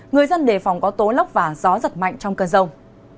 người dân đề phòng có tố lốc và gió giật mạnh trong cơn rông